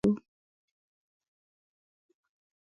له کوټې یې خان زمان کاکړ راسره اچولی و.